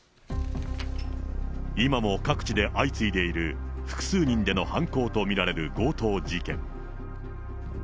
今も各地で相次いでいる、複数人での犯行と見られる強盗事件。